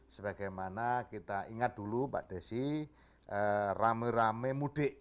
sebagaimana kita ingat dulu pak desi rame rame mudik